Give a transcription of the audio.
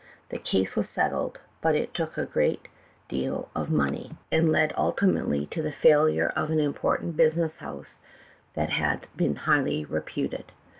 The case was settled, but it took a great deal of money, A CHEMICAL DETECTIVE. 313 and led ultimately to the failure of an important business house that had been highly reputed.